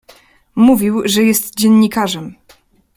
"Mówił, że jest dziennikarzem."